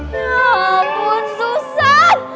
ya ampun susan